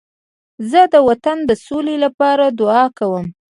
زه د وطن د سولې لپاره دعا کوم.